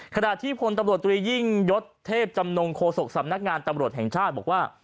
ขณะที่พลตำรวจตรียิ่งยศเทพจำนงโฆษกสำนักงานตำรวจแห่งชาติบอกว่า